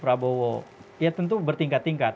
prabowo ya tentu bertingkat tingkat